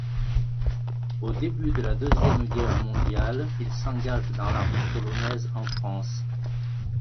Au début de la Deuxième Guerre mondiale il s’engage dans l’armée polonaise en France.